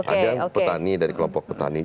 ada petani dari kelompok petani